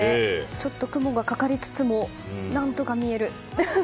ちょっと雲がかかりつつも何とか見える。